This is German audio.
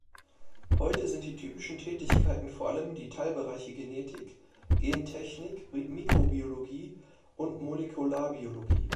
Heute sind die typischen Tätigkeiten vor allem die Teilbereiche Genetik, Gentechnik, Mikrobiologie und Molekularbiologie.